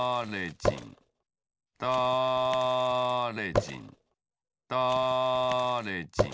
だれじんだれじん